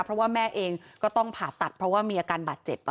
เพราะว่าแม่เองก็ต้องผ่าตัดเพราะว่ามีอาการบาดเจ็บ